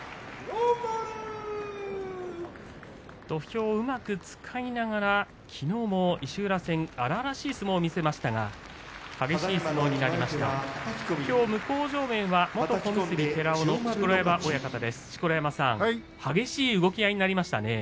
土俵をうまく使いながらきのうも石浦戦荒々しい相撲を見せましたがきょうも激しい相撲になりました。